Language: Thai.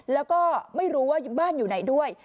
แล้วก็ไม่รู้ว่าบ้านอยู่ไหนด้วย